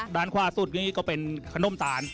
ด้านขวาสุดนี้ก็เป็นขนมตาล